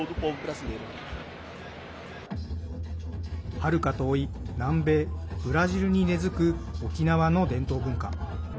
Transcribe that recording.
はるか遠い、南米ブラジルに根づく沖縄の伝統文化。